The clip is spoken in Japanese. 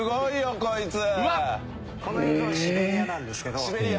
この映像シベリアなんですけど。